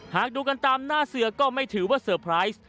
หากดูกันตามหน้าเสือก็ไม่ถือว่าเซอร์ไพรส์